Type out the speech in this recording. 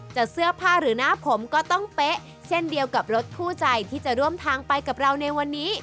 เสื้อผ้าหรือหน้าผมก็ต้องเป๊ะเช่นเดียวกับรถคู่ใจที่จะร่วมทางไปกับเราในวันนี้